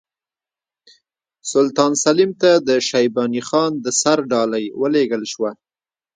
سلطان سلیم ته د شیباني خان د سر ډالۍ ولېږل شوه.